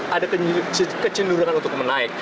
ada kecenderungan untuk menaik